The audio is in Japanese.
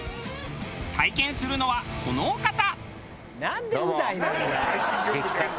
体験するのはこのお方。